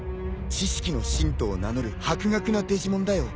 知識の信徒を名乗る博学なデジモンだよ。